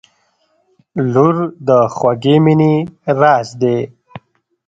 • لور د خوږې مینې راز دی.